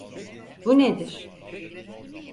Bu nedir?